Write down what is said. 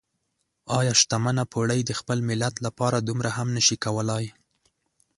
ايا شتمنه پوړۍ د خپل ملت لپاره دومره هم نشي کولای؟